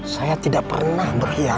saya tidak pernah berkhianat er